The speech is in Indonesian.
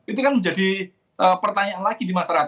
itu kan menjadi pertanyaan lagi di masyarakat